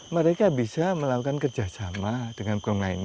mereka bisa melakukan kerja sama dengan orang lain